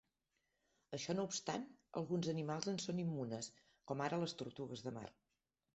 Això no obstant, alguns animals en són immunes, com ara les tortugues de mar.